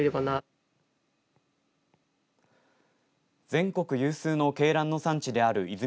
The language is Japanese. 全国有数の鶏卵の産地である出水